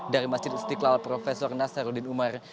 dari masjid istiqlal prof nas harudin umar